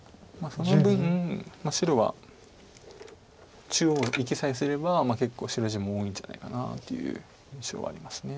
その分白は中央生きさえすれば結構白地も多いんじゃないかなという印象はあります。